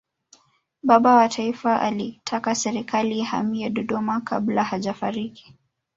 baba wa taifa alitaka serikali ihamie dodoma kabla hajafariki